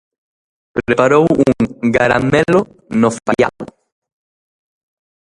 Preparou un garamelo no faiado.